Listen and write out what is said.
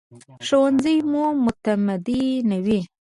ښوونځی مو متمدنوي